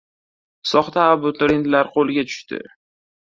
Soxta abiturientlar qo‘lga tushdi